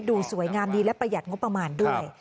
ดูสวยงามดีและประหยัดงบประมาณด้วย